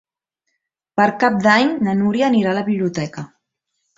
Per Cap d'Any na Núria anirà a la biblioteca.